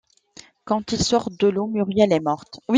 Quand ils sortent de l'eau, Muriel est morte.